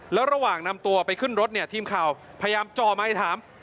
แล้วระหว่างนำตัวไปขึ้นรถเนี่ยทีมข่าวพยายามจ่อไมค์ถาม